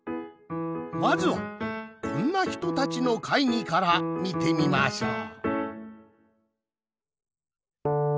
まずはこんな人たちの会議からみてみましょう。